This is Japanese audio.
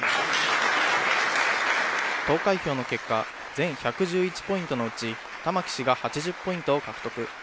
投開票の結果、全１１１ポイントのうち玉木氏が８０ポイントを獲得。